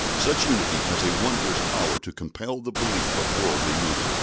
Such unity has a wondrous power to compel the belief of worldly men.